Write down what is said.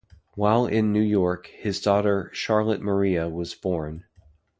While in New York, his daughter, Charlotte Maria was born.